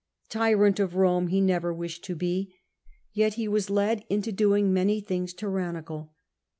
Tyrant of Eome he never wished to be, yet he was led into doing many things tyrannical.